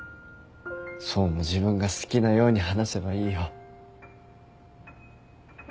想も自分が好きなように話せばいいよ。